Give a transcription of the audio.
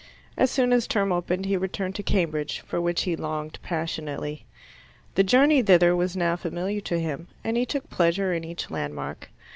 As soon as term opened he returned to Cambridge, for which he longed passionately. The journey thither was now familiar to him, and he took pleasure in each landmark.